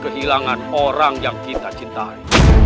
kehilangan orang yang kita cintai